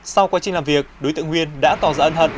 sau quá trình làm việc đối tượng nguyên đã tỏ ra ân hận